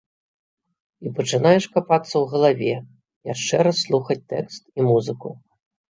І пачынаеш капацца ў галаве, яшчэ раз слухаць тэкст і музыку.